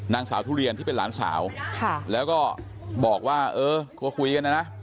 นางสาวทุเรียนที่เป็นหลานสาวแล้วก็บอกว่าเออกลัวคุยกันนะนะ